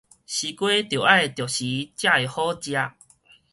西瓜著愛著時才會好食